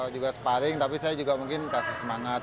juga sparring tapi saya juga mungkin kasih semangat